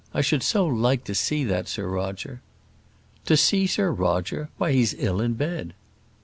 I should so like to see that Sir Roger." "To see Sir Roger! Why, he's ill in bed."